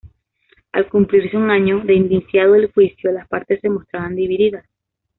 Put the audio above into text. Al cumplirse un año de iniciado el juicio las partes se mostraban divididas.